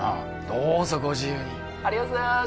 どうぞご自由に☎ありがとうございます